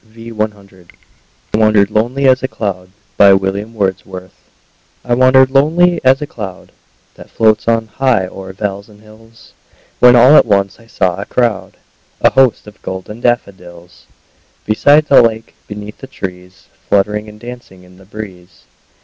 William Wordsworth I Wandered Lonely As a Cloud I WANDERED lonely as a cloud That floats on high o'er vales and hills, When all at once I saw a crowd, A host, of golden daffodils; Beside the lake, beneath the trees, Fluttering and dancing in the breeze.